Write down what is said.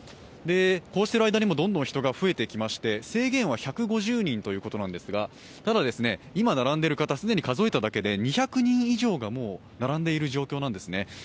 こうしている間にもどんどん人が増えてきまして、制限は１５０人ということなんですがただ、今並んでいる方、既に数えただけで２００人以上がもう並んでいる状況なんですね。